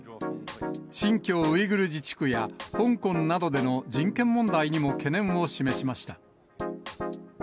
新疆ウイグル自治区や香港などでの人権問題にも懸念を示しました。